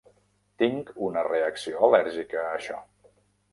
Tinc una reacció al·lèrgica a això.